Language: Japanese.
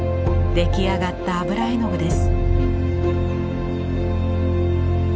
出来上がった油絵の具です。